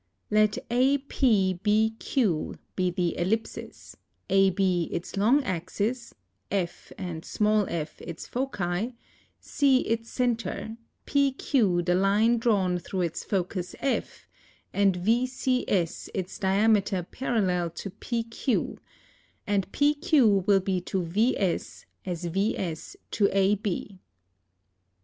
Let APBQ be the Ellipsis, AB its long Axis, F, f its foci, C its center, PQ the line drawn through its focus F, & VCS its diameter parallel to PQ & PQ will be to VS as VS to AB.